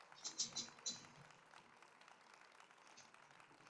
又授弟子觅历高声梵呗于今。